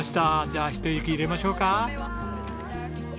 じゃあひと息入れましょうか。